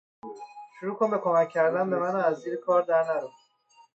شروع کن به کمک کردن به من و از زیر کار در نرو!